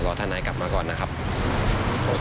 รอทนายกลับมาก่อนนะครับโอเคนะครับ